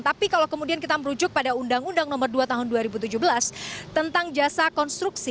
tapi kalau kemudian kita merujuk pada undang undang nomor dua tahun dua ribu tujuh belas tentang jasa konstruksi